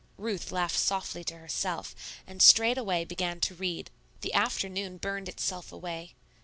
Ruth laughed softly to herself, and straightway began to read. The afternoon burned itself away.